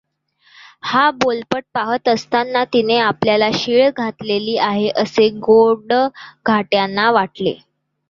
हा बोलपट पाहत असताना तिने आपल्याला शीळ घातलेली आहे, असे गोडघाट्यांना वाटले.